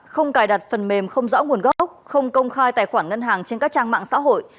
không cài đặt phần mềm không rõ nguồn gốc không công khai tài khoản ngân hàng trên các trang mạng xã hội